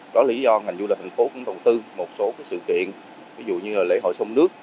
có lý do thành phố cũng đầu tư một số cái sự kiện ví dụ như là lễ hội sông nước